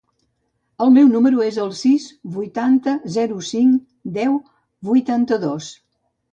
El meu número es el sis, vuitanta, zero, cinc, deu, vuitanta-dos.